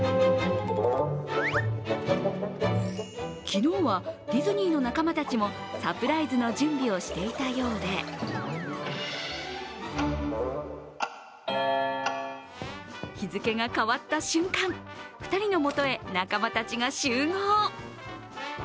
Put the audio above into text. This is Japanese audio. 昨日はディズニーの仲間たちもサプライズの準備をしていたようで日付が変わった瞬間、２人のもとへ仲間たちが集合。